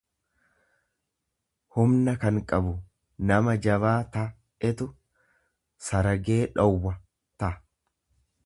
humna kan qabu; Nama jabaa ta etu, saragee dhowwa ta.